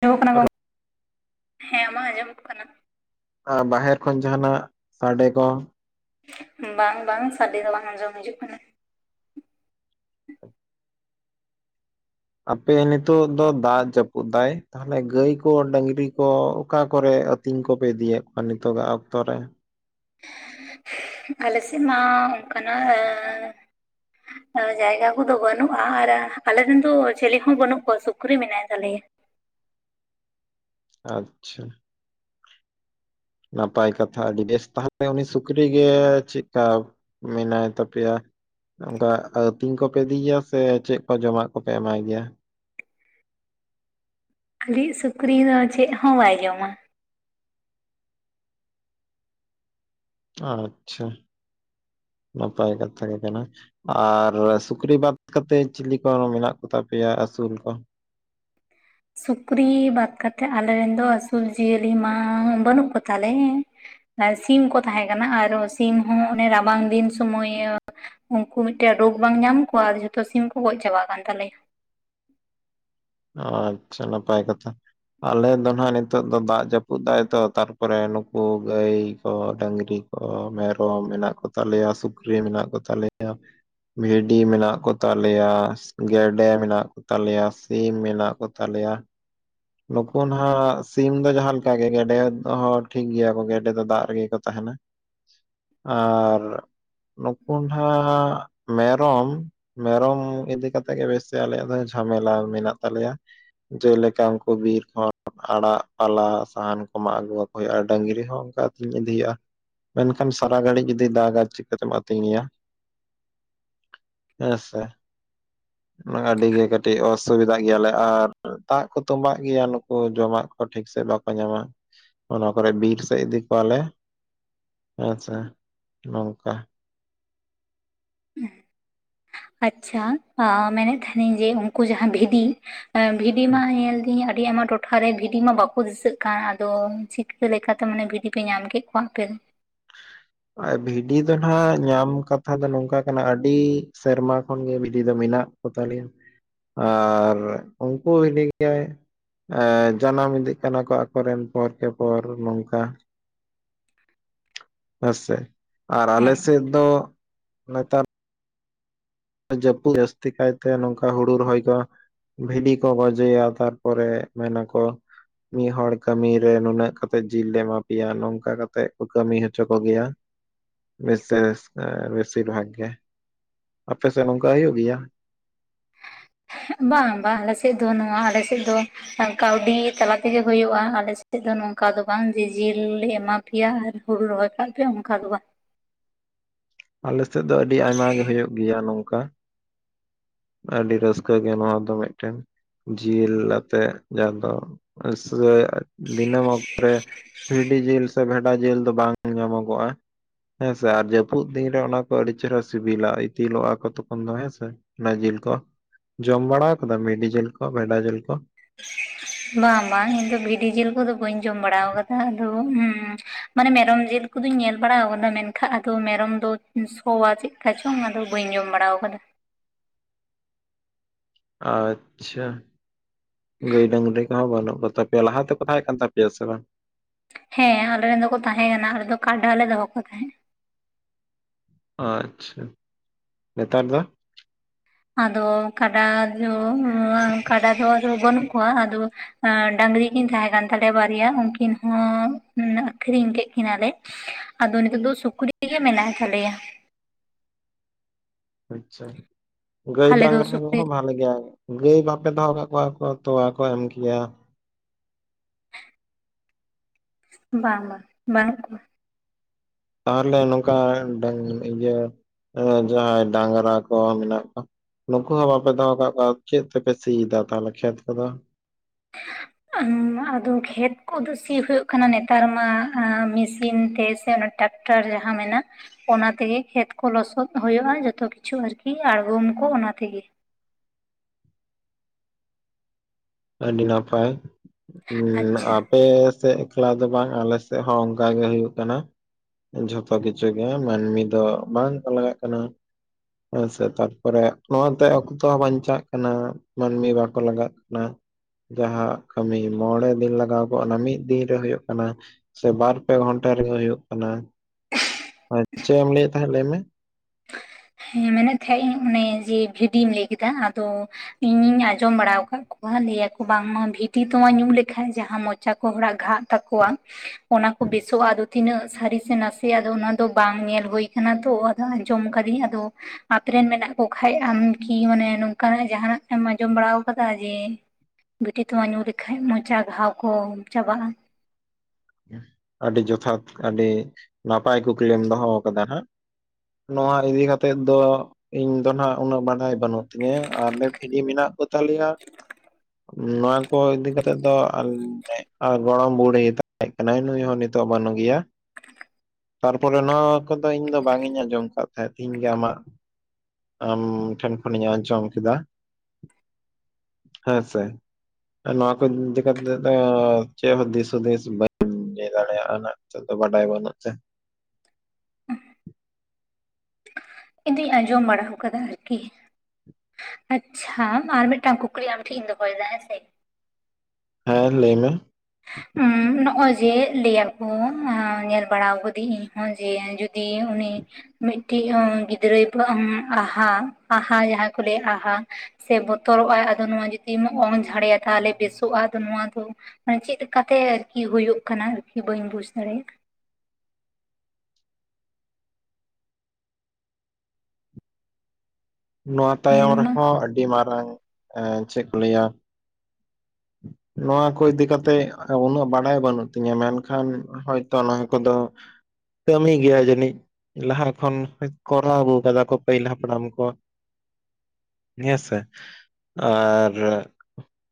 ᱟᱸᱡᱚᱢᱚᱜ ᱠᱟᱱᱟ ᱜᱚᱝ ᱦᱮᱸ ᱢᱟ ᱟᱸᱡᱚᱢᱚᱜ ᱠᱟᱱᱟ᱾ ᱟ ᱵᱟᱦᱮᱨ ᱠᱷᱚᱱ ᱡᱟᱦᱟᱸᱟᱱᱟᱜ ᱥᱟᱰᱮ ᱠᱚ᱾ ᱵᱟᱝ ᱵᱟᱝ, ᱥᱟᱰᱮ ᱫᱚ ᱵᱟᱝ ᱟᱸᱡᱚᱢ ᱦᱤᱡᱩᱜ ᱠᱟᱱᱟ᱾ ᱟᱯᱮ ᱱᱤᱛᱚᱜ ᱫᱚ ᱫᱟᱜ ᱡᱟᱹᱯᱩᱫ ᱫᱟᱭ᱾ ᱛᱟᱦᱚᱞᱮ ᱜᱟᱹᱭ ᱠᱚ ᱰᱝᱨᱤ ᱠᱚ ᱚᱠᱟ ᱠᱚᱨᱮ ᱟᱹᱛᱤᱧ ᱠᱚᱯᱮ ᱤᱫᱤᱭᱮᱫ ᱠᱚᱣᱟ, ᱱᱤᱛᱚᱜᱟᱜ ᱚᱠᱛᱚ ᱨᱮ? ᱟᱞᱮᱥᱮᱫ ᱢᱟ ᱚᱱᱠᱟᱱᱟᱜᱼᱼ [unintelligible] ᱡᱟᱭᱜᱟ ᱠᱚᱫᱚ ᱵᱟᱹᱱᱩᱜᱼᱟ, ᱟᱨ ᱟᱞᱮᱨᱮᱱ ᱫᱚ ᱪᱤᱞᱤ ᱦᱚᱸ ᱵᱟᱹᱱᱩᱜ ᱠᱚᱣᱟ, ᱥᱩᱠᱨᱤ ᱢᱮᱱᱟᱭ ᱛᱟᱞᱮᱭᱟ᱾ ᱟᱪᱪᱷᱟ᱾ ᱱᱟᱯᱟᱭ ᱠᱟᱛᱷᱟ ᱟᱹᱰᱤ ᱵᱮᱥ, ᱛᱟᱦᱞᱮ ᱩᱱᱤ ᱥᱩᱠᱨᱤᱜᱮ ᱪᱮᱫᱠᱟᱼᱼ ᱢᱮᱱᱟᱭ ᱛᱯᱤᱭᱟ? ᱚᱱᱠᱟ ᱟᱹᱛᱤᱧ ᱠᱚᱯᱮ ᱤᱫᱤᱭᱮᱭᱟ, ᱥᱮ ᱪᱮᱫ ᱠᱚ ᱡᱚᱢᱟᱜ ᱠᱚᱯᱮ ᱮᱢᱟᱭ ᱜᱮᱭᱟ? ᱟᱞᱮᱭᱤᱡ ᱥᱩᱠᱨᱤ ᱫᱚ ᱪᱮᱫ ᱦᱚᱸ ᱵᱟᱭ ᱡᱚᱢᱟ᱾ ᱟᱪᱪᱷᱟ, ᱱᱟᱯᱟᱭ ᱠᱟᱛᱷᱟ ᱜᱮ ᱠᱟᱱᱟ᱾ ᱟᱨ ᱥᱩᱠᱨᱤ ᱵᱟᱫ ᱠᱟᱛᱮᱮᱫ ᱪᱤᱞᱤ ᱠᱚ ᱢᱮᱱᱟᱜ ᱠᱚᱛᱟ ᱯᱮᱭᱟ ᱟᱹᱥᱩᱞ ᱠᱚ? ᱥᱩᱠᱨᱤ ᱵᱟᱫ ᱠᱟᱛᱮᱫ ᱟᱞᱮ ᱨᱮᱱ ᱫᱚ ᱟᱹᱥᱩᱞᱼ ᱡᱤᱭᱟᱹᱞᱤ ᱢᱟ ᱵᱟᱹᱱᱩᱜ ᱠᱚᱛᱟᱞᱮ᱾ ᱥᱤᱢ ᱠᱚ ᱛᱟᱦᱮᱸ ᱠᱟᱱᱟ, ᱟᱨᱚ ᱥᱤᱢ ᱦᱚᱸ ᱚᱱᱮ ᱨᱟᱵᱟᱝ ᱫᱤᱱ ᱥᱚᱢᱚᱭᱼᱼ ᱩᱱᱠᱩ ᱢᱤᱫᱴᱮᱡ ᱨᱳᱜᱽ ᱵᱟᱝ ᱧᱟᱢ ᱠᱚᱣᱟ ᱟᱫᱚ ᱡᱷᱚᱛᱚ ᱥᱤᱢ ᱠᱚ ᱜᱚᱡ ᱪᱟᱵᱟᱜ ᱠᱟᱱ ᱛᱟᱞᱮᱭᱟ᱾ ᱟᱪᱪᱷᱟ ᱱᱟᱯᱟᱭ ᱠᱟᱛᱷᱟ᱾ ᱟᱞᱮ ᱫᱚ ᱱᱟᱦᱟᱜ ᱱᱤᱛᱚᱜ ᱫᱚ ᱫᱟᱜ ᱡᱟᱹᱯᱩᱫᱟᱭᱛᱚ, ᱛᱟᱨᱯᱚᱨᱮ ᱱᱩᱠᱩ ᱜᱟᱹᱭ ᱠᱚ ᱰᱟᱹᱝᱨᱤᱼᱼ ᱚ ᱢᱮᱨᱚᱢ ᱢᱮᱱᱟᱜ ᱠᱚᱛᱟᱞᱮᱭᱟ ᱥᱩᱠᱨᱤ ᱢᱮᱱᱟᱜ ᱠᱚᱛᱟᱞᱮᱭᱟ᱾ ᱵᱷᱤᱰᱤ ᱢᱮᱱᱟᱜ ᱠᱚᱛᱟᱞᱮᱭᱟ ᱜᱮᱰᱮ ᱢᱮᱱᱟᱜ ᱠᱚᱛᱟᱞᱮᱭᱟ᱾ ᱥᱤᱢ ᱢᱮᱱᱟᱜ ᱠᱚ ᱛᱟᱞᱮᱭᱟ᱾ ᱱᱩᱠᱩ ᱱᱟᱟᱜ ᱥᱤᱢ ᱫᱚ ᱡᱟᱦᱟᱸᱞᱮᱠᱟ ᱜᱮ ᱜᱮᱰᱮ ᱦᱚᱸ ᱴᱷᱤᱠ ᱜᱮᱮᱭᱟ ᱜᱮᱰᱮ ᱫᱚ ᱫᱟᱜ ᱨᱮᱜᱮ ᱠᱚ ᱛᱟᱦᱮᱱᱟ᱾ ᱟᱨ ᱱᱩᱠᱩ ᱦᱟᱜ ᱢᱮᱨᱚᱢ᱾ ᱢᱮᱨᱚᱢ ᱤᱫᱤ ᱠᱟᱛᱮᱜ ᱜᱮ ᱵᱮᱥᱤ ᱟᱞᱮᱭᱟᱜ ᱫᱚ ᱡᱷᱟᱢᱮᱞᱟ ᱢᱮᱱᱟᱜ ᱛᱟᱞᱮᱭᱟ, ᱡᱮᱞᱮᱠᱟᱼᱼ ᱠᱚᱵᱤᱨ ᱠᱷᱚ᱾ ᱟᱲᱟᱜ ᱯᱟᱞᱟ ᱥᱟᱦᱟᱱ ᱠᱚᱢᱟᱜ ᱟᱹᱜᱩᱣᱟᱠᱚ ᱦᱩᱭᱩᱜᱼᱟ, ᱰᱟᱹᱝᱨᱤ ᱦᱚᱸ ᱚᱱᱠᱟ ᱟᱹᱛᱤᱧ ᱤᱫᱤ ᱦᱩᱭᱩᱜᱼᱟ᱾ ᱢᱮᱱᱠᱷᱟᱱ ᱥᱟᱨᱟ ᱜᱷᱟᱹᱲᱤᱡ ᱡᱩᱫᱤ ᱫᱟᱜᱟ ᱪᱤᱠᱠᱟᱛᱮᱢ ᱟᱹᱛᱤᱧᱮᱭᱟ᱾ ᱦᱮᱸᱥᱮ᱾ ᱟᱹᱰᱤ ᱜᱮ ᱠᱟᱹᱴᱤᱡ ᱚᱥᱩᱵᱤᱫᱷᱟ ᱜᱮᱭᱟᱞᱮ ᱟᱨ ᱫᱟᱜ ᱠᱚ ᱛᱚᱸᱵᱟᱜ ᱜᱮᱭᱟ ᱱᱩᱠᱩ ᱡᱚᱢᱟᱜ ᱠᱚ ᱴᱷᱤᱠ ᱥᱟᱹᱦᱤᱡ ᱵᱟᱠᱚ ᱧᱟᱢᱟ ᱾ ᱚᱱᱟ ᱠᱚᱨᱮ ᱵᱤᱨ ᱥᱮᱫ ᱤᱫᱤ ᱠᱚᱣᱟᱞᱮ ᱟᱪᱪᱷᱟ ᱱᱚᱝᱠᱟ᱾ ᱟᱪᱪᱷᱟ ᱢᱮᱱᱮᱫ ᱛᱟᱦᱮᱱᱤᱧ ᱡᱮ ᱩᱱᱠᱩ ᱡᱟᱦᱟᱸ ᱵᱷᱤᱫᱤ ᱵᱷᱤᱰᱤ ᱢᱟ ᱧᱮᱞ ᱫᱤᱧ ᱟᱹᱰᱤ ᱟᱭᱢᱟ ᱴᱚ ᱴᱚᱴᱷᱟ ᱨᱮ ᱵᱷᱤᱰᱤ ᱢᱟ ᱵᱟᱠᱚ ᱫᱤᱥᱟᱹᱜ ᱠᱟᱱ ᱟᱫᱚ ᱪᱤᱠᱟᱹ ᱞᱮᱠᱟᱛᱮ ᱢᱟᱱᱮ ᱵᱷᱤᱰᱤ ᱯᱮ ᱧᱟᱢ ᱠᱮᱫ ᱠᱚᱣᱟ ᱟᱯᱮ ᱫᱚ? [unintelligible] ᱵᱷᱤᱰᱤ ᱫᱚ ᱱᱟᱦᱟᱸᱜ ᱧᱟᱢ ᱠᱟᱛᱷᱟ ᱫᱚ ᱱᱚᱝᱠᱟ ᱠᱟᱱᱟ ᱟᱹᱰᱤ ᱥᱮᱨᱢᱟ ᱠᱷᱚᱱᱜᱮ ᱵᱷᱤᱰᱤ ᱫᱚ ᱢᱮᱱᱟᱜ ᱠᱚᱛᱟᱞᱮᱭᱟ ᱟᱨ ᱩᱱᱠᱩ ᱵᱷᱤᱰᱤ ᱜᱮ ᱮᱸ ᱡᱟᱱᱟᱢ ᱤᱫᱤᱜ ᱠᱟᱱᱟ ᱠᱚ ᱟᱠᱚᱨᱮᱱ ᱯᱚᱨ ᱠᱮ ᱯᱚᱨ ᱱᱚᱝᱠᱟ ᱾ ᱦᱮᱸᱥᱮ ᱟᱨ ᱟᱞᱮ ᱦᱮᱸ ᱥᱮᱫ ᱫᱚ ᱱᱮᱛᱟᱨ ᱡᱟᱹᱯᱩᱫ ᱡᱟᱹᱥᱛᱤ ᱠᱟᱭᱛᱮ ᱱᱚᱝᱠᱟ ᱦᱩᱲᱩ ᱨᱚᱦᱚᱭ ᱠᱚ ᱵᱷᱤᱰᱤ ᱠᱚ ᱜᱚᱡᱮᱭᱟ ᱛᱟᱨ ᱯᱚᱨᱮ ᱢᱮᱱ ᱟᱠᱚ ᱢᱤᱫ ᱦᱚᱲᱚᱲ ᱠᱟᱹᱢᱤ ᱨᱮ ᱱᱩᱱᱟᱹᱜ ᱠᱟᱛᱮᱜ ᱡᱤᱞ ᱞᱮ ᱮᱢᱟ ᱯᱮᱭᱟ ᱱᱚᱝᱠᱟ ᱠᱟᱛᱮᱜ ᱠᱚ ᱠᱟᱹᱢᱤ ᱦᱚᱪᱚ ᱠᱚᱜᱮᱭᱟ ᱾ ᱵᱮᱥᱮᱥ ᱵᱮᱥᱤᱨ ᱵᱷᱟᱜᱮ ᱾ ᱟᱯᱮ ᱥᱮᱫ ᱱᱚᱝᱠᱟ ᱦᱩᱭᱩᱜ ᱜᱮᱭᱟ? ᱵᱟᱝ ᱵᱟᱝ ᱟᱞᱮ ᱥᱮᱫ ᱫᱚ ᱱᱚᱣᱟ ᱟᱞᱮ ᱥᱮᱫ ᱫᱚ ᱠᱟᱹᱣᱰᱤ ᱛᱟᱞᱟ ᱛᱮᱜᱮ ᱦᱩᱭᱩᱜᱼᱟ ᱟᱞᱮ ᱥᱮᱫ ᱫᱚ ᱱᱚᱝᱠᱟ ᱫᱚ ᱵᱟᱝ ᱡᱮ ᱡᱤᱞ ᱞᱮ ᱮᱢᱟ ᱯᱮᱭᱟ ᱟᱨ ᱦᱩᱲᱩ ᱨᱚᱦᱚᱭ ᱠᱟᱜ ᱯᱮ ᱚᱱᱠᱟ ᱫᱚ ᱵᱟᱝ᱾ ᱟᱞᱮ ᱥᱮᱫ ᱫᱚ ᱟᱹᱰᱤ ᱟᱭᱢᱟ ᱜᱮ ᱦᱳᱭᱳᱜ ᱜᱮᱭᱟ ᱱᱚᱝᱠᱟ ᱾ ᱟᱹᱰᱤ ᱨᱟᱹᱥᱠᱟᱹ ᱜᱮ ᱱᱚᱣᱟ ᱫᱚ ᱢᱤᱫᱴᱮᱱ ᱡᱤᱞ ᱟᱛᱮᱜ ᱡᱟᱦᱟᱸ ᱫᱚ ᱥᱮ ᱫᱤᱱᱟᱹᱢ ᱚᱠᱛᱚᱮ ᱵᱷᱤᱰᱤ ᱡᱤᱞ ᱥᱮ ᱵᱷᱮᱰᱟ ᱡᱤᱞ ᱫᱚ ᱵᱟᱝ ᱧᱟᱢᱚᱜᱼᱟ᱾ ᱦᱮᱸᱥᱮ ᱟᱨ ᱡᱟᱹᱯᱩᱫ ᱫᱤᱱ ᱨᱮ ᱚᱱᱟ ᱠᱚ ᱟᱹᱰᱤ ᱪᱮᱦᱨᱟ ᱥᱤᱵᱤᱞᱟ ᱤᱛᱤᱞᱚᱜᱼᱟ ᱠᱚ ᱛᱚᱠᱷᱚᱱ ᱫᱚ ᱦᱮᱸᱥᱮ᱾ ᱚᱱᱟ ᱡᱤᱞ ᱠᱚ ᱡᱚᱢ ᱵᱟᱲᱟ ᱠᱟᱫᱟᱢ ᱢᱤᱰᱤ ᱡᱤᱞ ᱠᱚ ᱵᱷᱮᱰᱟ ᱡᱤᱞ ᱠᱚ? ᱵᱟᱝ ᱵᱟᱝ ᱤᱧ ᱫᱚ ᱵᱷᱤᱰᱤ ᱡᱤᱞ ᱠᱚᱫᱚ ᱵᱟᱹᱧ ᱡᱚᱢ ᱵᱟᱲᱟ ᱠᱟᱫᱟ, ᱟᱫᱚ ᱢᱟᱱᱮ ᱢᱮᱨᱚᱢ ᱡᱤᱞ ᱠᱚᱫᱚᱧ ᱧᱮᱞ ᱵᱟᱲᱟᱫᱟ ᱢᱮᱱᱠᱷᱟᱱ ᱟᱫᱚ ᱢᱮᱨᱚᱢ ᱫᱚ ᱥᱚᱣᱟ ᱪᱮᱫ ᱠᱟ ᱪᱚᱝ ᱟᱫᱚ ᱵᱟᱹᱧ ᱡᱚᱢ ᱵᱟᱲᱟ ᱟᱠᱟᱫᱟ ᱾ ᱟᱪᱪᱷᱟ ᱾ ᱜᱟᱹᱭ ᱰᱟᱝᱨᱤ ᱠᱚᱦᱚᱸ ᱵᱟᱹᱱᱩᱜ ᱠᱚᱛᱟ ᱯᱮᱭᱟ ᱞᱟᱦᱟ ᱛᱮᱠᱚ ᱛᱟᱦᱮᱸ ᱠᱟᱱ ᱛᱟᱯᱮᱭᱟ ᱥᱮ ᱵᱟᱝ? ᱦᱮᱸ ᱟᱞᱮ ᱨᱮᱱ ᱫᱚᱠᱚ ᱛᱟᱦᱮᱸ ᱠᱟᱱᱟ ᱟᱞᱮ ᱫᱚ ᱠᱟᱰᱟ ᱞᱮ ᱫᱚᱦᱚ ᱠᱚ ᱛᱟᱦᱮᱸᱫ ᱾ ᱟᱪᱪᱷᱟ, ᱱᱮᱛᱟᱨ ᱫᱚ? ᱟᱫᱚ ᱠᱟᱰᱟ ᱫᱚ ᱠᱟᱰᱟ ᱫᱚ ᱟᱫᱟ ᱵᱟᱹᱱᱩᱜ ᱠᱚᱣᱟ, ᱟᱫᱚ ᱰᱟᱝᱨᱤ ᱠᱤᱱ ᱛᱟᱦᱮᱸ ᱠᱟᱱ ᱛᱟᱞᱮᱭᱟ ᱵᱟᱨᱭᱟ ᱩᱱᱠᱤᱱ ᱦᱚᱸ ᱟᱠᱷᱨᱤᱧ ᱠᱮᱫ ᱠᱤᱱᱟᱞᱮ ᱾ ᱟᱫᱚ ᱱᱤᱛᱳᱜ ᱫᱚ ᱥᱩᱠᱨᱤ ᱜᱮ ᱢᱮᱱᱟᱭ ᱛᱟᱞᱮᱭᱟ᱾ ᱟᱪᱪᱷᱟ ᱜᱟᱹᱭ ᱟᱞᱮ ᱫᱚ ᱰᱟᱝᱨᱟ ᱥᱩᱠᱨᱤ ᱠᱚᱦᱚᱸ ᱵᱷᱟᱞᱮ ᱜᱮᱭᱟ ᱾ ᱜᱟᱹᱭ ᱵᱟᱯᱮ ᱫᱚᱦᱚ ᱠᱟᱜ ᱠᱚᱣᱟ ᱠᱚ ᱛᱚᱣᱟ ᱠᱚ ᱮᱢ ᱠᱮᱭᱟ᱾ ᱵᱟᱝ ᱵᱟᱝ ᱵᱟᱱᱩᱜ ᱠᱚᱣᱟ᱾ ᱛᱟᱦᱚᱞᱮ ᱱᱚᱝᱠᱟ ᱤᱭᱟᱹ ᱡᱟᱦᱟᱸᱭ ᱰᱟᱝᱨᱟ ᱠᱚ ᱢᱮᱱᱟᱜ ᱠᱚᱣᱟ᱾ ᱱᱩᱠᱩ ᱦᱚᱸ ᱵᱟᱯᱮ ᱫᱚᱦᱚ ᱠᱟᱜ ᱠᱚᱣᱟ ᱪᱮᱫ ᱛᱮᱯᱮ ᱥᱤᱭᱟ ᱛᱟᱦᱚᱞᱮ ᱠᱷᱮᱛ ᱠᱚᱫᱚ? [unintelligible] ᱟᱫᱚ ᱠᱷᱮᱛ ᱠᱚᱫᱚ ᱥᱤ ᱦᱩᱭᱩᱜ ᱠᱟᱱᱟ ᱱᱮᱛᱟᱨ ᱢᱟ ᱢᱮᱥᱤᱱ ᱛᱮ ᱥᱮ ᱚᱱᱟ ᱴᱟᱠ ᱴᱟᱨ ᱡᱟᱦᱟ ᱢᱮᱱᱟᱜ ᱚᱱᱟ ᱛᱮᱜᱮ ᱠᱷᱮᱛ ᱠᱚ ᱞᱚᱥᱚᱫ ᱦᱩᱭᱩᱜᱼᱟ ᱡᱚᱛᱚ ᱠᱤᱪᱷᱩ ᱟᱨᱠᱤ ᱟᱲᱜᱚᱢ ᱠᱚ ᱚᱱᱟ ᱛᱮᱜᱮ᱾ ᱟᱹᱰᱤ ᱱᱟᱯᱟᱭ ᱩᱸ ᱟᱪᱪᱷᱟ ᱟᱯ ᱯᱮ ᱥᱮᱫ ᱮᱠᱞᱟ ᱫᱚ ᱵᱟᱝ ᱟᱞᱮ ᱥᱮᱫ ᱦᱚᱸ ᱚᱱᱠᱟ ᱜᱮ ᱦᱩᱭᱩᱜ ᱠᱟᱱᱟ᱾ ᱡᱷᱚᱛᱚ ᱠᱤᱪᱷᱩ ᱜᱮ ᱢᱟᱹᱱᱢᱤ ᱫᱚ ᱵᱟᱝ ᱠᱚ ᱞᱟᱜᱟᱜ ᱠᱟᱱᱟ᱾ ᱦᱮᱸᱥᱮ ᱛᱟᱨᱯᱚᱨᱮ ᱱᱚᱣᱟᱛᱮ ᱚᱠᱛᱚ ᱦᱚᱸ ᱵᱟᱧᱪᱟᱜ ᱠᱟᱱᱟ᱾ ᱢᱟᱹᱱᱢᱤ ᱵᱟᱠᱚ ᱞᱟᱱᱜᱟᱜ ᱠᱟᱱᱟ᱾ ᱡᱟᱦᱟᱸ ᱠᱟᱹᱢᱤ ᱢᱚᱬᱮ ᱫᱤᱱ ᱞᱟᱜᱟᱣ ᱠᱚᱜ-ᱟ ᱚᱱᱟ ᱢᱤᱫ ᱫᱤᱱᱨᱮ ᱦᱳᱭᱳᱜ ᱠᱟᱱᱟ᱾ ᱥᱮ ᱵᱟᱨ ᱯᱮ ᱜᱷᱚᱱᱴᱟ ᱨᱮᱜᱮ ᱦᱳᱭᱳᱜ ᱠᱟᱱᱟ᱾ ᱪᱮᱫ ᱮᱢ ᱞᱟᱹᱭᱮᱫ ᱛᱟᱦᱮᱸᱫ ᱞᱟᱹᱭ ᱢᱮ? [inaudible] ᱦᱮᱸ ᱢᱮᱱᱮᱫ ᱛᱟᱦᱮᱸᱫ ᱤᱧ ᱚᱱᱮ ᱡᱮ ᱵᱷᱤᱰᱤᱢ ᱞᱟᱹᱭ ᱠᱮᱫᱚ ᱟᱫᱚ ᱤᱧᱤᱧ ᱟᱸᱡᱚᱢ ᱵᱟᱲᱟ ᱠᱟᱜ ᱚᱵᱷᱟ ᱞᱟᱹᱭᱟᱠᱚ ᱵᱟᱝᱢᱟ ᱵᱷᱤᱛᱤ ᱛᱩᱭᱟ. ᱧᱩ ᱞᱮᱠᱷᱟᱱ ᱡᱟᱦᱟᱸ ᱢᱚᱪᱟ ᱠᱚ ᱦᱚᱲᱟᱜ ᱜᱷᱟᱜ ᱛᱟᱠᱚᱣᱟ ᱚᱱᱟ ᱠᱚ ᱵᱮᱥᱚᱜ-ᱟ᱾ ᱟᱫᱚ ᱛᱤᱱᱟᱹᱜ ᱥᱟᱹᱨᱤ ᱥᱮ ᱱᱟᱥᱮ ᱤᱭᱟ ᱟᱫᱚ ᱚᱱᱟ ᱫᱚ ᱵᱟᱝ ᱧᱮᱞ ᱦᱩᱭ ᱠᱟᱱᱟ ᱛᱚ᱾ ᱟᱫᱚ ᱟᱸᱡᱚᱢ ᱟᱠᱟᱫᱤᱧ ᱟᱫᱚ ᱟᱯᱮ ᱨᱮᱱ ᱢᱮᱱᱟᱜ ᱠᱚ ᱠᱷᱟᱡ ᱟᱢᱠᱤ ᱢᱟᱱᱮ ᱱᱚᱝᱠᱟᱱᱟᱜ ᱡᱟᱦᱟᱸᱱᱟᱜ ᱮᱢ ᱟᱸᱡᱚᱢ ᱵᱟᱲᱟ ᱟᱠᱟᱫᱟ᱾ ᱡᱮ ᱵᱷᱤᱴᱤ ᱛᱚᱣᱟ ᱧᱩ ᱞᱮᱠᱷᱟᱡ ᱢᱚᱪᱟ ᱜᱷᱟᱣ ᱠᱚ ᱪᱟᱵᱟᱜᱼᱟ᱾ ᱟᱹᱰᱤ ᱡᱚᱛᱷᱟᱛ ᱟᱹᱰᱤ ᱱᱟᱯᱟᱭ ᱠᱩᱠᱞᱤᱢ ᱫᱚᱦᱚ ᱠᱟᱫᱟ ᱱᱷᱟᱸᱜ᱾ ᱱᱚᱣᱟ ᱨᱤᱫᱤ ᱠᱟᱛᱮᱜ ᱫᱚ ᱤᱧ ᱫᱚ ᱱᱷᱟᱜ ᱩᱱᱟ. ᱜ ᱵᱟᱰᱟᱭ ᱵᱟᱹᱱᱩᱜ ᱛᱤᱧᱟᱹ᱾ ᱟᱨᱞᱮ ᱵᱷᱤᱰᱤ ᱢᱮᱱᱟᱜ ᱠᱚ ᱛᱟᱞᱮᱭᱟ ᱱᱚᱶᱟ ᱠᱚ ᱤᱫᱤ ᱠᱟᱛᱮᱜ ᱫᱚ ᱟᱞᱱᱮᱜ ᱜᱚᱲᱚᱢ ᱵᱩᱲᱦᱤ ᱛᱟ ᱦᱮᱜ ᱠᱟᱱᱟᱭ ᱱᱩᱭ ᱦᱚᱸ ᱱᱤᱛᱚ ᱵᱟᱹᱱᱩᱜ ᱜᱮᱭᱟ᱾ ᱛᱟᱨᱯᱚᱨᱮ ᱱᱚᱣᱟ ᱠᱚᱫᱚ ᱤᱧ ᱫᱚ ᱵᱟᱝ ᱤᱧ ᱟᱸᱡᱚᱢ ᱟᱠᱟᱫ ᱛᱟᱦᱮᱸ᱾ ᱛᱮᱤᱧ ᱜᱮ ᱟᱢᱟᱜ ᱟᱢ ᱴᱷᱮᱱ ᱠᱷᱚᱱᱤᱧ ᱟᱸᱡᱚᱢ ᱠᱮᱫᱟ᱾ ᱦᱮᱸᱥᱮ ᱱᱚᱣᱟ ᱠᱚ ᱤᱫᱤ ᱠᱟᱛᱮ ᱫᱚ ᱪᱮᱫ ᱦᱚ ᱫᱤᱥ ᱦᱩᱫᱤᱥ ᱵᱟ. [inaudible] ᱞᱟᱹᱭ ᱫᱟᱲᱮᱭᱟᱜ-ᱟ ᱱᱷᱟᱜ ᱱᱤᱛᱚᱜ ᱫᱚ ᱵᱟᱰᱟᱭ ᱵᱟᱱᱩ ᱪᱮ᱾ ᱤᱧ ᱫᱩᱧ ᱟᱸᱡᱚᱢ ᱵᱟᱲᱟ ᱟᱠᱟᱫᱟ᱾ ᱟᱨᱠᱤ ᱟᱪᱪᱷᱟ ᱟᱨ ᱢᱤᱫᱴᱟᱝ ᱠᱩᱠᱞᱤ ᱟᱢ ᱴᱷᱮ ᱤᱧ ᱫᱚᱦᱚᱭᱮᱫᱟ ᱦᱮᱸᱥᱮ᱾ ᱦᱮᱸ ᱞᱟᱹᱭ ᱢᱮ᱾ ᱩ. ᱱᱚᱜ-ᱚᱭ ᱡᱮ ᱞᱟᱹᱭᱟᱠᱚ ᱚᱸ ᱧᱮᱞ ᱵᱟᱲᱟᱳ ᱠᱟᱫᱟᱹᱧ ᱤᱧᱦᱚᱸ ᱡᱮ ᱡᱩᱫᱤ ᱩᱱᱤ ᱢᱤᱫᱴᱤᱡ ᱚᱸ ᱜᱤᱫᱽᱨᱟᱹᱭᱣ ᱯᱚᱦᱚᱢ ᱟᱦᱟ ᱟᱦᱟ ᱡᱟᱦᱟᱸ ᱠᱚ ᱞᱟᱹᱭᱟ ᱟᱦᱟ ᱥᱮ ᱵᱚᱛᱚᱨᱚᱜᱼᱟ ᱟᱫᱚ ᱱᱚᱣᱟ ᱡᱩᱫᱤᱢ ᱚᱝ ᱡᱷᱟᱲᱮᱭᱟ ᱛᱟᱦᱞᱮ ᱵᱮᱥᱚᱜᱼᱟ᱾ ᱟᱫᱚ ᱱᱚᱣᱟ ᱫᱚ ᱢᱟᱱᱮ ᱪᱮᱫ ᱞᱮᱠᱟ ᱛᱮ ᱟᱨᱠᱤ ᱦᱩᱭᱩᱜᱭ ᱠᱟᱱᱟ? ᱟᱨᱠᱤ ᱵᱟᱹᱧ ᱵᱩᱡ ᱫᱟᱲᱮᱭᱟᱜᱟ᱾ ᱱᱚᱣᱟ ᱛᱟᱭᱚᱢ ᱢᱮᱱᱢᱟ ᱨᱮᱦᱚᱸ ᱟᱰᱤ ᱢᱟᱨᱟᱝ ᱮᱸ ᱪᱮᱫ ᱠᱚ ᱞᱟᱹᱭᱟ ᱱᱚᱣᱟ ᱠᱚ ᱤᱫᱤ ᱠᱟᱛᱮᱜ ᱩᱱᱟᱹᱜ ᱵᱟᱲᱟᱭ ᱵᱟᱹᱱᱩᱜ ᱛᱤᱧᱟᱹ᱾ ᱢᱮᱱᱠᱷᱟᱱ ᱦᱚᱭᱛᱚ ᱱᱚᱣᱟ ᱠᱚᱫᱚ ᱠᱟᱹᱢᱤ ᱜᱮᱭᱟ ᱡᱟᱹᱱᱤᱡ ᱞᱟᱦᱟ ᱠᱷᱚᱱ ᱠᱚᱨᱟᱣ ᱟᱹᱜᱩ ᱠᱟᱫᱟ ᱠᱚ ᱯᱟᱹᱦᱤᱞ ᱦᱟᱯᱲᱟᱢ ᱠᱚ᱾ ᱦᱮ ᱥᱮ ᱟᱨ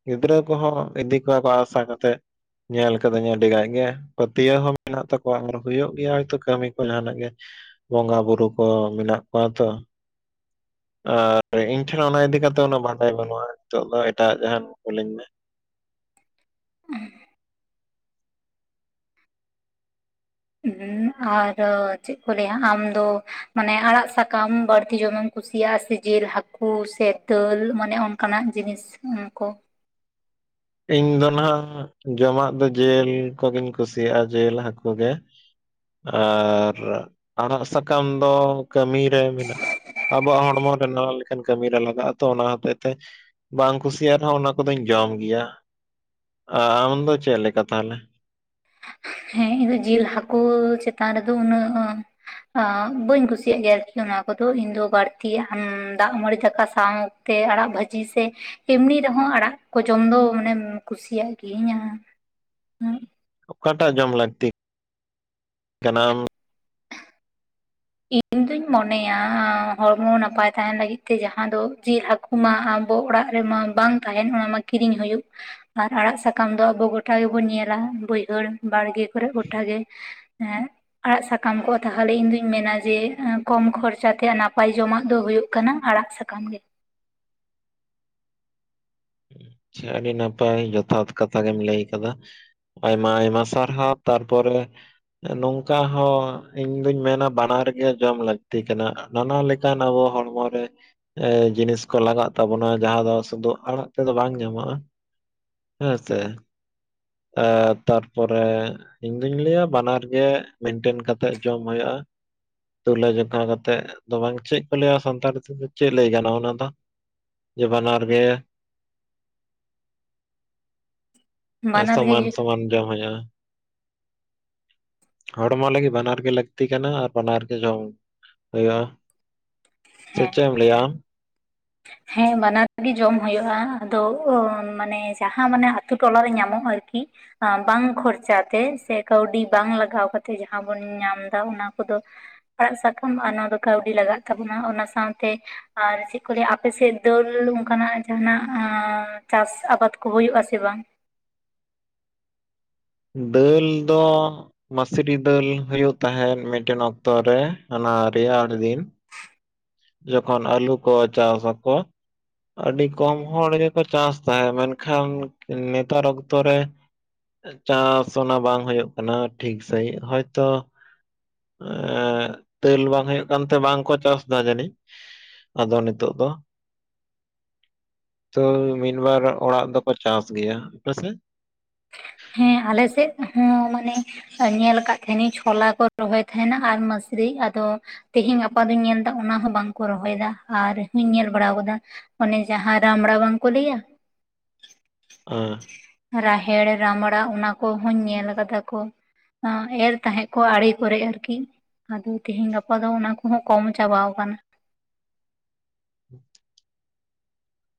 ᱜᱤᱫᱽᱨᱟᱹ ᱠᱚᱦᱚᱸ ᱤᱫᱤ ᱠᱚᱣᱟ ᱠᱚ ᱟᱥᱟ ᱠᱟᱛᱮ ᱧᱮᱞ ᱠᱟᱹᱫᱟᱹᱧ ᱟᱹᱰᱤ ᱜᱟᱭ ᱜᱮ᱾ ᱯᱟᱹᱛᱭᱟᱹᱣ ᱦᱚᱸ ᱢᱮᱱᱟᱜ ᱛᱟᱠᱚᱣᱟ᱾ [inaudible] ᱦᱩᱭᱩᱜ ᱜᱮᱭᱟ ᱦᱚᱭᱛᱳ ᱠᱟᱹᱢᱤ ᱠᱚ ᱡᱟᱦᱟᱱᱟᱜ ᱜᱮ᱾ ᱵᱚᱸᱜᱟ ᱵᱩᱨᱩ ᱠᱚ ᱢᱮᱱᱟᱜ ᱠᱚᱣᱟ ᱛᱚ᱾ ᱟᱨ ᱤᱧ ᱴᱷᱮᱱ ᱚᱱᱟ ᱤᱫᱤ ᱠᱟᱛᱮ ᱩᱱᱟᱹᱜ ᱵᱷᱟᱰᱟᱭ ᱵᱟᱹᱱᱩᱜᱼᱟ᱾ ᱱᱤᱛᱚᱜ ᱫᱚ ᱮᱴᱟᱜ ᱡᱟᱦᱟᱱ ᱠᱩᱞᱤᱧ ᱢᱮ? [inaudible] ᱦᱩᱸ ᱟᱨ ᱪᱮᱫᱠᱚ ᱞᱟᱹᱭᱟ᱾ ᱟᱢ ᱫᱚ ᱢᱟᱱᱮ ᱟᱲᱟᱜ ᱥᱟᱠᱟᱢ ᱵᱟᱹᱲᱛᱤ ᱡᱚᱢᱮᱢ ᱠᱩᱥᱤᱭᱟᱜᱼᱟ ᱥᱮ ᱡᱤᱞ, ᱦᱟᱹᱠᱩ, ᱥᱮ ᱫᱟᱹᱞ, ᱢᱟᱱᱮ ᱚᱱᱠᱟᱱᱟᱜ ᱡᱤᱱᱤᱥ ᱩᱱ ᱠᱚ? ᱤᱧ ᱫᱚ ᱱᱟᱦᱟᱜ ᱡᱚᱢᱟᱜ ᱫᱚ ᱡᱤᱞ ᱠᱚᱜᱤᱧ ᱠᱩᱥᱤᱭᱟᱜᱼᱟ ᱡᱮᱞ ᱦᱟᱹᱠᱩ ᱜᱮ᱾ ᱟᱨ ᱟᱲᱟᱜ ᱥᱟᱠᱟᱢ ᱫᱚ ᱠᱟᱹᱢᱤ ᱨᱮ ᱢᱮᱱᱟᱜ-ᱟ ᱟᱵᱚᱣᱟᱜ ᱦᱚᱲᱢᱚ ᱨᱮ ᱱᱟ ᱞᱮᱠᱟᱱ ᱠᱟᱹᱢᱤᱨᱮ ᱞᱟᱜᱟᱜᱼᱟ ᱛᱚ᱾ ᱚᱱᱟ ᱦᱚᱛᱮᱡ ᱛᱮ ᱵᱟᱝ ᱠᱩᱥᱤᱭᱟᱜ ᱨᱮᱦᱚᱸ ᱚᱱᱟ ᱠᱚᱫᱚᱧ ᱡᱚᱢ ᱜᱮᱭᱟ᱾ ᱟᱢ ᱫᱚ ᱪᱮᱫ ᱞᱮᱠᱟ ᱛᱟᱦᱚᱞᱮ? ᱦᱮᱸ ᱤᱧᱫᱚ ᱡᱤᱞ ᱦᱟᱹᱠᱳ, ᱪᱮᱛᱟᱱ ᱨᱮᱫᱚ ᱩᱱᱟᱹᱜ ᱟᱸ ᱵᱟᱹᱧ ᱠᱩᱥᱤᱭᱟᱜ ᱜᱮᱭᱟ ᱟᱨᱠᱤ ᱚᱱᱟ ᱠᱚᱫᱚ, ᱤᱧ ᱫᱚ ᱵᱟᱹᱲᱛᱤ ᱟᱸ ᱫᱟᱜ ᱢᱟᱹᱲᱤ ᱫᱟᱠᱟ ᱥᱟᱶ ᱛᱮ ᱟᱲᱟᱜ ᱵᱷᱟᱹᱡᱤ ᱥᱮ ᱮᱢᱱᱤ ᱨᱮᱦᱚᱸ ᱟᱲᱟᱜ ᱠᱚ ᱡᱚᱢ ᱫᱚ, ᱢᱟᱱᱮᱢ ᱠᱩᱥᱤᱭᱟᱜ ᱜᱤᱭᱟᱹᱧ᱾ ᱚᱠᱟᱴᱟᱜ ᱡᱚᱢ ᱞᱟᱹᱠᱛᱤ? ᱠᱟᱱᱟᱢ। [inaudible] [inaudible] ᱤᱧ ᱢᱚᱱᱮᱭᱟᱻ ᱦᱚᱲᱢᱚ ᱛᱟᱦᱮᱱ ᱞᱟᱹᱜᱤᱫ ᱛᱮ, ᱡᱟᱦᱟᱸ ᱫᱚ ᱡᱤᱞ ᱦᱟᱹᱠᱩ ᱢᱟ ᱟᱵᱚ ᱚᱲᱟᱜ ᱨᱮᱢᱟ ᱵᱟᱝ ᱼᱼ ᱛᱟᱦᱮᱱ। ᱚᱱᱟ ᱢᱟ ᱠᱤᱨᱤᱧ ᱦᱳᱭᱳᱜ। ᱟᱨ ᱟᱲᱟᱜ ᱥᱟᱠᱟᱢ ᱫᱚ, ᱟᱵᱚ ᱜᱳᱴᱟ ᱜᱮᱵᱚᱱ ᱧᱮᱞᱟ। ᱵᱟᱹᱭᱦᱟᱹᱲ, ᱵᱟᱲᱜᱮ ᱠᱚᱨᱮᱜ ᱜᱚᱴᱟ ᱜᱮ। ᱮᱸ ᱟᱲᱟᱜ ᱥᱟᱠᱟᱢ ᱠᱚᱜᱼᱟ। ᱛᱟᱦᱟᱞᱮ ᱤᱧ ᱫᱩᱧ ᱢᱮᱱᱟ ᱡᱮ ᱠᱚᱢ ᱠᱷᱚᱨᱪᱟ ᱛᱮ ᱱᱟᱯᱟᱭ ᱡᱚᱢᱟᱜ ᱫᱚ, ᱦᱳᱭᱳᱜ ᱠᱟᱱᱟ ᱟᱲᱟᱜ ᱥᱟᱠᱟᱢ ᱜᱮ। ᱪᱷᱮ ᱟᱹᱰᱤ ᱱᱟᱯᱟᱭ᱾ ᱡᱚᱛᱷᱟᱛ ᱠᱟᱛᱷᱟ ᱜᱮᱢ ᱞᱟᱹᱭ ᱠᱟᱫᱟ। ᱟᱭᱢᱟ-ᱟᱭᱢᱟ ᱥᱟᱨᱦᱟᱣ। ᱛᱟᱨᱯᱚᱨᱮ ᱼᱼ ᱱᱚᱝᱠᱟ ᱦᱚᱸ, ᱤᱧ ᱫᱩᱧ ᱢᱮᱱᱟ ᱵᱟᱱᱟᱨ ᱜᱮ ᱡᱚᱢ ᱞᱟᱹᱠᱛᱤ ᱠᱟᱱᱟ। ᱱᱟᱱᱟ ᱞᱮᱠᱟᱱ ᱟᱵᱚ ᱦᱚᱲᱢᱚ ᱨᱮ ᱮᱻ ᱡᱤᱱᱤᱥ ᱠᱚ ᱞᱟᱜᱟᱜ ᱛᱟᱵᱚᱱᱟ। ᱡᱟᱦᱟᱸ ᱫᱚ ᱥᱩᱫᱩ ᱟᱲᱟᱜ ᱛᱮᱫᱚ ᱵᱟᱝ ᱼᱼ ᱧᱟᱢᱚᱜᱼᱟ। ᱦᱮᱸ ᱥᱮ? ᱮᱸ ᱛᱟᱨᱯᱚᱨᱮ ᱼᱼ ᱤᱧ ᱫᱤᱧ ᱞᱟᱹᱭᱟ, ᱵᱟᱱᱟᱨ ᱜᱮ ᱢᱮᱱᱴᱮᱱ ᱠᱟᱛᱮᱜ ᱡᱚᱢ ᱦᱳᱭᱳᱜᱼᱟ। ᱛᱩᱞᱟᱹᱡᱚᱠᱷᱟ ᱠᱟᱛᱮᱫ ᱫᱚ ᱵᱟᱝ। ᱪᱮᱫ ᱠᱚ ᱞᱟᱹᱭᱟ ᱥᱟᱱᱛᱟᱲ ᱛᱮᱫᱚ ᱪᱮᱫ ᱞᱟᱹᱭ ᱜᱟᱱᱚᱜᱼᱟ ᱚᱱᱟ ᱫᱚ? ᱡᱮ ᱵᱟᱱᱟᱨ ᱜᱮ ᱼᱼ ᱵᱟᱱᱟᱨ ᱜᱮ ᱥᱚᱢᱟᱱ ᱥᱚᱢᱟᱱ ᱡᱚᱢ ᱦᱳᱭᱳᱜᱼᱟ। ᱦᱚᱲᱢᱚ ᱞᱟᱹᱜᱤᱫ ᱵᱟᱱᱟᱨ ᱜᱮ ᱞᱟᱹᱠᱛᱤ ᱠᱟᱱᱟ। ᱟᱨ ᱵᱟᱱᱟᱨ ᱜᱮ ᱡᱚᱢ ᱼᱼ ᱦᱳᱭᱳᱜᱼᱟ। ᱥᱮ ᱦᱮᱸ ᱪᱮᱜᱼᱮᱢ ᱞᱟᱹᱭᱟ ᱟᱢ? ᱦᱮᱸ ᱵᱟᱱᱟᱨ ᱜᱮ ᱡᱚᱢ ᱦᱳᱭᱳᱜᱼᱟ। ᱟᱫᱚ ᱢᱟᱱᱮ ᱡᱟᱦᱟᱸ ᱢᱟᱱᱮ ᱟᱛᱳ ᱴᱚᱞᱟ ᱨᱮ ᱧᱟᱢᱚᱜᱼᱟ ᱟᱨᱠᱤ। ᱟᱸ ᱵᱟᱝ ᱠᱷᱚᱨᱪᱟ ᱛᱮ। ᱥᱮ ᱠᱟᱹᱣᱰᱤ ᱵᱟᱝ ᱞᱟᱜᱟᱣ ᱠᱟᱛᱮ ᱡᱟᱸᱦᱟ ᱵᱚᱱ ᱧᱟᱢ ᱫᱟ। ᱚᱱᱟ ᱠᱚᱫᱚ ᱼᱼ ᱟᱲᱟᱜ ᱥᱟᱠᱟᱢ ᱚᱱᱟ ᱫᱚ ᱠᱟᱹᱣᱰᱤ ᱞᱟᱜᱟᱜ ᱛᱟᱵᱚᱱᱟ। ᱚᱱᱟ ᱥᱟᱶᱛᱮ ᱟᱨ ᱪᱮᱫ ᱠᱚ ᱞᱟᱹᱭᱟ, ᱟᱯ ᱼᱼ ᱟᱯᱮᱥᱮᱫ ᱫᱟᱹᱞ ᱚᱱᱠᱟ ᱱᱟᱜ ᱡᱟᱦᱟᱱᱟᱜ ᱟᱸ ᱪᱟᱥ ᱟᱵᱟᱫ ᱠᱚ ᱦᱳᱭᱳᱜᱼᱟ ᱥᱮ ᱵᱟᱝ? ᱫᱟᱹᱞ ᱫᱚ ᱼᱼ ᱢᱟᱥᱨᱤ ᱫᱟᱹᱞ ᱦᱳᱭᱳᱜ ᱛᱟᱦᱮᱸᱱ, ᱢᱤᱫᱴᱮᱱ ᱚᱠᱛᱚ ᱨᱮ, ᱚᱱᱟ ᱨᱮᱭᱟᱲ ᱫᱤᱱ। ᱡᱚᱠᱷᱚᱱ ᱟᱹᱞᱩ ᱠᱚ ᱪᱟᱥ ᱟᱠᱚ। ᱟᱹᱰᱤ ᱠᱚᱢ ᱦᱚᱲ ᱜᱮᱠᱚ ᱪᱟᱥ ᱛᱟᱦᱮ, ᱢᱮᱱᱠᱷᱟᱱ ᱱᱮᱛᱟᱨ ᱚᱠᱛᱚ ᱨᱮ ᱼᱼ ᱪᱟᱥ ᱚᱱᱟ ᱵᱟᱝ ᱦᱳᱭᱳᱜ ᱠᱟᱱᱟ, ᱴᱷᱤᱠ ᱥᱟᱺᱦᱤᱡ। ᱦᱚᱭᱛᱚ ᱼᱼ ᱮᱸᱻ ᱫᱟᱹᱞ ᱵᱟᱝ ᱦᱳᱭᱳᱜ ᱠᱟᱱᱛᱮ, ᱵᱟᱝᱠᱚ ᱪᱟᱥ ᱼᱼ ᱫᱟ ᱡᱟᱹᱱᱤᱡ। ᱟᱫᱚ ᱱᱤᱛᱚᱜ ᱫᱚ ᱼᱼ ᱛᱚ ᱢᱤᱫ ᱵᱟᱨ ᱚᱲᱟᱜ ᱫᱚᱠᱚ ᱪᱟᱥ ᱜᱮᱭᱟ। ᱟᱯᱮᱥᱮᱫ? ᱦᱮᱸ ᱟᱞᱮ ᱥᱮᱫ ᱦᱚᱸ, ᱢᱟᱱᱮ ᱼᱼ ᱧᱮᱞ ᱠᱟᱜ ᱛᱟᱦᱮᱱᱤᱧ ᱪᱷᱚᱞᱟ ᱠᱚ, ᱨᱚᱦᱚᱭ ᱛᱟᱦᱮᱱᱟ ᱟᱨ ᱢᱟᱥᱨᱤ। ᱟᱫᱚ ᱼᱼ ᱛᱮᱦᱮᱧ ᱜᱟᱯᱟ ᱫᱚᱧ ᱧᱮᱞᱫᱟ ᱚᱱᱟ ᱦᱚᱸ ᱵᱟᱝᱠᱚ ᱨᱚᱦᱚᱭᱮᱫᱟ। ᱟᱨ ᱦᱚᱧ ᱧᱮᱞ ᱵᱟᱲᱟᱣ ᱠᱟᱫᱟ ᱼᱼ ᱚᱱᱮ ᱡᱟᱦᱟᱸ ᱨᱟᱢᱲᱟ ᱵᱟᱝᱠᱚ ᱞᱟᱹᱭᱟ? ᱦᱮᱸ। ᱨᱟᱦᱮᱲ ᱨᱟᱢᱲᱟ, ᱚᱱᱟ ᱠᱚᱦᱚᱧ ᱧᱮᱞ ᱠᱟᱫᱟ ᱠᱚ। ᱟᱸ ᱮᱨ ᱛᱟᱦᱮᱸᱜ ᱠᱚ ᱟᱲᱮ ᱠᱚᱨᱮ ᱟᱨᱠᱤ। ᱟᱫᱚ ᱛᱮᱦᱮᱧ ᱜᱟᱯᱟ ᱫᱚ, ᱚᱱᱟ ᱠᱚᱦᱚᱸ ᱠᱚᱢ ᱪᱟᱵᱟᱣ ᱠᱟᱱᱟ।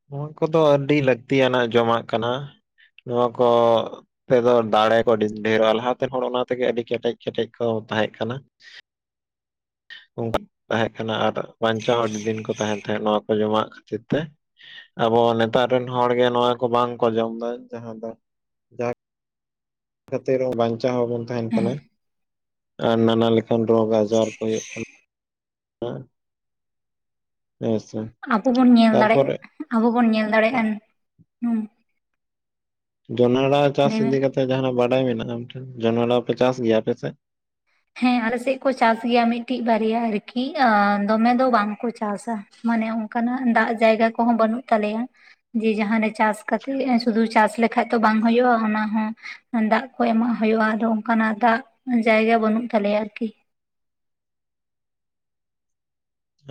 ᱱᱚᱣᱟ ᱠᱚᱫᱚ ᱟᱹᱰᱤ ᱞᱟᱹᱠᱛᱤᱭᱟᱱᱟᱜ ᱡᱚᱢᱟᱜ ᱠᱟᱱᱟ, ᱱᱚᱣᱟ ᱠᱚ ᱛᱮᱫᱚ ᱫᱟᱲᱮ ᱠᱚ ᱟᱹᱰᱤ ᱰᱷᱮᱨᱚᱜᱼᱟ᱾ ᱞᱟᱦᱟᱛᱮᱱ ᱦᱚᱲ ᱚᱱᱟ ᱛᱮᱜᱮ ᱟᱹᱰᱤ ᱠᱮᱴᱮᱡ ᱠᱮᱴᱮᱡ ᱠᱚ ᱛᱟᱦᱮᱸᱜ ᱠᱟᱱᱟ᱾ ᱚᱝ [inaudible] ᱛᱟᱦᱮᱸᱜ ᱠᱟᱱᱟ᱾ ᱟᱨ ᱵᱟᱧᱪᱟᱣ ᱦᱚᱸ ᱟᱹᱰᱤ ᱫᱤᱱ ᱠᱚ ᱛᱟᱦᱮᱱ ᱛᱟᱦᱮᱸᱱ ᱱᱚᱣᱟ ᱠᱚ ᱡᱚᱢᱟᱜ ᱠᱷᱟᱹᱛᱤᱨ ᱛᱮ᱾ ᱟᱵᱚ ᱱᱮᱛᱟᱨ ᱨᱮᱱ ᱦᱚᱲ ᱜᱮ ᱱᱚᱣᱟ ᱠᱚ ᱵᱟᱝᱠᱚ ᱡᱚᱢᱫᱟ, ᱡᱟᱦᱟᱸ ᱫᱚᱼᱼ ᱠᱷᱟᱹᱛᱤᱨ ᱦᱚᱸ ᱵᱟᱧᱪᱟᱣ ᱦᱚᱸᱵᱚᱱ ᱛᱟᱦᱮᱱ ᱦᱮᱸ ᱠᱟᱱᱟ। ᱟᱨ ᱱᱟᱱᱟ ᱞᱮᱠᱟᱱ ᱨᱳᱜᱽ ᱟᱡᱟᱨ ᱠᱚ ᱦᱩᱭᱩᱜ ᱠᱟᱱᱟ। [unintelligible] ᱦᱮᱸ ᱥᱮ? ᱟᱵᱚ ᱵᱚᱱ ᱧᱮᱞ ᱫᱟᱲᱮᱜ, ᱛᱟᱨᱯᱚᱨᱮ ᱟᱵᱚ ᱵᱚᱱ ᱧᱮᱞ ᱫᱟᱲᱮᱜ ᱟᱱ ᱦᱩᱸ᱾ ᱡᱚᱱᱚᱲᱟ ᱪᱟᱥ ᱞᱟᱹᱭ ᱢᱮ ᱤᱫᱤ ᱠᱟᱛᱮ ᱡᱟᱦᱟᱱᱟᱜ ᱵᱟᱰᱟᱭ ᱢᱮᱱᱟᱜᱼᱟ ᱟᱢ ᱴᱷᱮᱱ? ᱡᱚᱱᱟᱲᱟ ᱯᱮ ᱪᱟᱥ ᱜᱮᱭᱟ ᱟᱯᱮᱥᱮᱜ? ᱦᱮᱸ, ᱟᱞᱮ ᱥᱮᱫ ᱠᱚ ᱪᱟᱥ ᱜᱮᱭᱟ ᱢᱤᱫᱴᱤᱡ ᱵᱟᱨᱭᱟ ᱟᱨᱠᱤ। ᱟᱸ ᱫᱚᱢᱮ ᱫᱚ ᱵᱟᱝᱠᱚ ᱪᱟᱥᱟ। ᱢᱟᱱᱮ ᱚᱝᱠᱟᱱᱟᱜ ᱫᱟᱜ ᱡᱟᱭᱜᱟ ᱠᱚᱦᱚᱸ ᱵᱟᱹᱱᱩᱜ ᱛᱟᱞᱮᱭᱟ। ᱡᱮ ᱡᱟᱦᱟᱸ ᱨᱮ ᱪᱟᱥ ᱠᱟᱛᱮᱜ ᱥᱩᱫᱩ ᱪᱟᱥ ᱞᱮᱠᱷᱟᱡ ᱛᱚ ᱵᱟᱝ ᱦᱳᱭᱳᱜᱼᱟ ᱚᱱᱟᱦᱚ ᱫᱟᱜ ᱠᱚ ᱮᱢᱟᱜ ᱦᱩᱭᱩᱜᱼᱟ ᱟᱫᱚ ᱚᱱᱠᱟᱱᱟᱜ ᱫᱟᱜ ᱡᱟᱭᱜᱟ ᱵᱟᱹᱱᱩᱜ ᱛᱟᱞᱮᱭᱟ ᱟᱨᱠᱤ।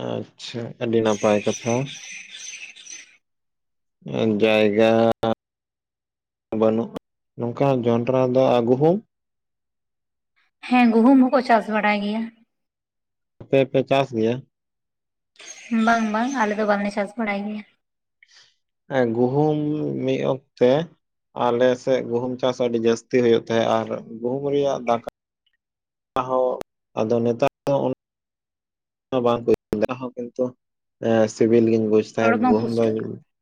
ᱟᱪᱪᱷᱟ ᱟᱹᱰᱤ ᱱᱟᱯᱟᱭ ᱠᱟᱛᱷᱟ। ᱮ ᱡᱟᱭᱜᱟ ᱵᱟᱹᱱᱩᱜᱼᱟ ᱱᱚᱝᱠᱟ ᱡᱚᱸᱰᱨᱟ ᱫᱚ ᱟᱹᱜᱩ ᱦᱚᱸ ᱦᱮᱸ ᱜᱩᱦᱩᱢ ᱦᱚᱸᱠᱚ ᱪᱟᱥ ᱵᱟᱲᱟᱭ ᱜᱮᱭᱟ ᱟᱯᱮ ᱯᱮ ᱪᱟᱥ ᱜᱮᱭᱟ? ᱵᱟᱝ ᱵᱟᱝ ᱟᱞᱮ ᱫᱚ ᱵᱟᱞᱮ ᱪᱟᱥ ᱵᱟᱲᱟᱭ ᱜᱮᱭᱟ। ᱜᱩᱦᱩᱢ ᱢᱤᱜ ᱚᱠᱛᱮ ᱟᱞᱮᱥᱮᱜ ᱜᱩᱦᱩᱢ ᱪᱟᱥ ᱟᱹᱰᱤ ᱡᱟᱹᱥᱛᱤ ᱦᱩᱭᱩᱜ ᱛᱟᱦᱮᱸᱜ ᱟᱨ ᱜᱩᱦᱩᱢ ᱨᱮᱭᱟᱜ ᱫᱟᱠᱟ ᱟᱦᱚ ᱟᱫᱚ ᱱᱮᱛᱟᱨ ᱫᱚ ᱵᱟᱝ [unintelligible] ᱠᱤᱱᱛᱩ ᱥᱤᱵᱤᱞ ᱜᱤᱱ ᱵᱩᱡ ᱨᱚᱲ ᱛᱟᱦᱮᱸᱜ ᱵᱟᱝ ᱜᱩᱦᱩᱢ ᱫᱚ ᱯᱩᱥᱴᱟᱹᱜ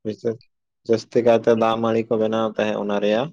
ᱵᱤᱥᱮᱥ ᱡᱟᱹᱥᱛᱤ ᱠᱟᱭᱛᱮ ᱫᱟᱜ ᱢᱟᱲᱤ ᱠᱚ ᱵᱮᱱᱟᱣ ᱛᱟᱦᱮᱸᱜ ᱚᱱᱟ ᱨᱮᱭᱟᱜ